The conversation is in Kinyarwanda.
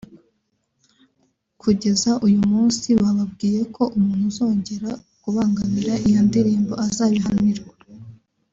Kugeza uyu munsi bababwiye ko umuntu uzogera kubangamira iyo ndirimbo azabihanirwa